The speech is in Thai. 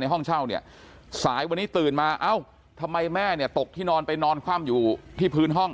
ในห้องเช่าเนี่ยสายวันนี้ตื่นมาเอ้าทำไมแม่เนี่ยตกที่นอนไปนอนคว่ำอยู่ที่พื้นห้อง